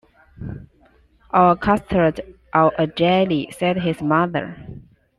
“Or custard, or a jelly,” said his mother.